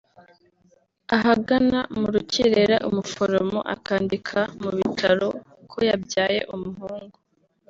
ahagana mu rukerera umuforomo akandika mu bitabo ko yabyaye umuhungu